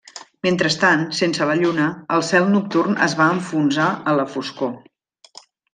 Mentrestant, sense la lluna, el cel nocturn es va enfonsar a la foscor.